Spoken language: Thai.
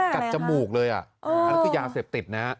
กัดจมูกเลยคือยาเสพติดนะ